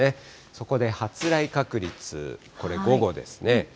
そこで発雷確率、これ午後ですね。